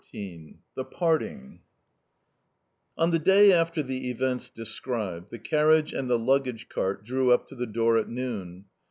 XIV THE PARTING ON the day after the events described, the carriage and the luggage cart drew up to the door at noon.